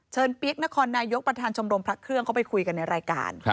เปี๊ยกนครนายกประธานชมรมพระเครื่องเขาไปคุยกันในรายการ